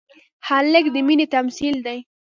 هلک د مینې تمثیل دی.